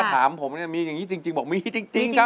สวัสดีครับคุณผู้ชมทุกท่านที่กำลังรับชมไทยรัฐทีวีช่อง๓๒อยู่นะครับ